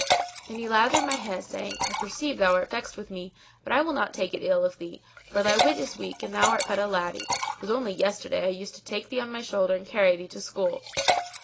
Then he lathered my head saying, "I perceive thou art vexed with me, but I will not take it ill of thee, for thy wit is weak and thou art but a laddy: it was only yesterday I used to take thee on my shoulder[FN#615] and carry thee to school.'